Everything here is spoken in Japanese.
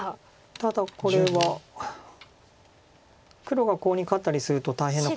ただこれは黒がコウに勝ったりすると大変なことになります。